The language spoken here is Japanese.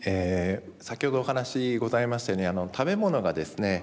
先ほどお話ございましたように食べ物がですね